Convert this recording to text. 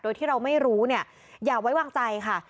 โดยที่เราไม่รู้เนี่ยอย่าไว้วางใจค่ะ